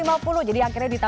yang cuman disiapkan karena